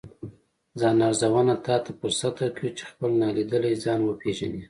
ځان ارزونه تاته فرصت درکوي، چې خپل نالیدلی ځان وپیژنې